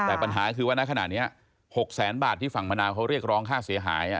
แต่ปัญหาคือว่าณขณะนี้๖แสนบาทที่ฝั่งมะนาวเขาเรียกร้องค่าเสียหาย